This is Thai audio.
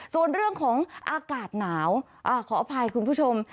ส่วนเรื่องของอากาศหนาวขออภัยคุณผู้ชม